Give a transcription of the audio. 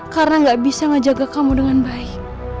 karena gak bisa ngejaga kamu dengan baik